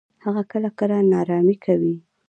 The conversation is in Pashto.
هغه کله کله ناړامي کوي.